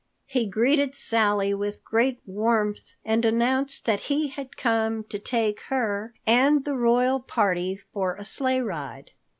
He greeted Sally with great warmth and announced that he had come to take her and the royal party for a sleigh ride.